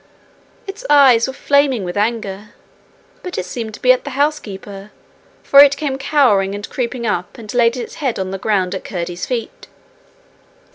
Its eyes were flaming with anger, but it seemed to be at the housekeeper, for it came cowering and creeping up and laid its head on the ground at Curdie's feet.